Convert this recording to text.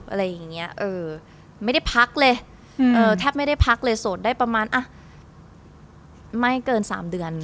อะไรอย่างนี้ไม่ได้พักเลยแทบไม่ได้พักเลยโสดได้ประมาณอ่ะไม่เกิน๓เดือน